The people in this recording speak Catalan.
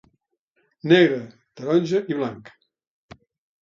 Negre, taronja i blanc.